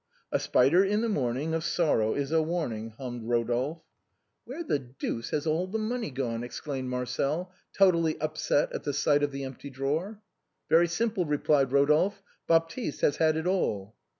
"A spider in the morning Of sorrow is a warning." hummed Eodolphe. "Where the deuce has all the money gone?" exclaimed Marcel, totally upset at the sight of the empty drawer. " Very simple," replied Rodolphe. " Baptiste has had it all."